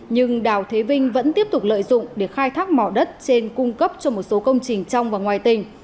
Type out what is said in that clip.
nhưng đào thế vinh vẫn tiếp tục lợi dụng để khai thác mỏ đất trên cung cấp cho một số công trình trong và ngoài tỉnh